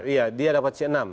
iya dia dapat c enam